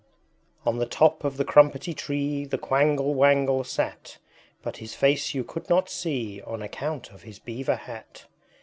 On the top of the Crumpetty Tree The Quangle Wangle sat, But his face you could not see, On account of his Beaver Hat.